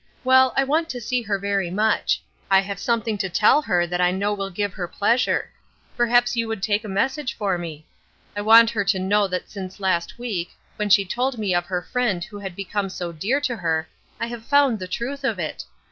Well, I want to see her very much. I have something to tell her that I know will give her pleasure. Perhaps you would take a message for me. I want her to know that since last week, when she told me of her Friend who had become so dear to her, I have found the truth of it.